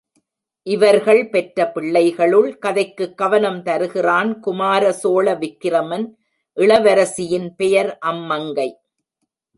இவர்கள் பெற்ற பிள்ளைகளுள் கதைக்குக் கவனம் தருகிறான் குமார சோழ விக்கிரமன், இளவரசியின்பெயர் அம்மங்கை.